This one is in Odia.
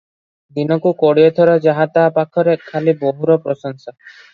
ଦିନକୁ କୋଡ଼ିଏ ଥର ଯାହା ତାହା ପାଖରେ ଖାଲି ବୋହୂର ପ୍ରଶଂସା ।